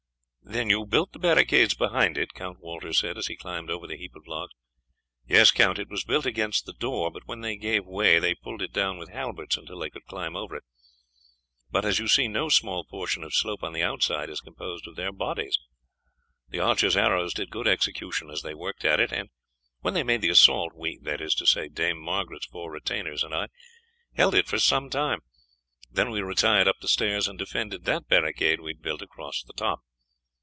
"Then you built the barricade behind it?" Count Walter said as he climbed over the heap of logs. "Yes, Count, it was built against the door, but when that gave way they pulled it down with halberts until they could climb over it. But, as you see, no small portion of slope on the outside is composed of their bodies. The archer's arrows did good execution as they worked at it, and when they made the assault we that is to say, Dame Margaret's four retainers and I held it for some time, then we retired up the stairs and defended that barricade we had built across the top."